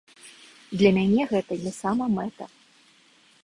Для мяне гэта не самамэта.